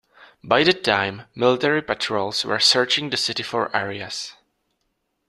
By that time, military patrols were searching the city for Arias.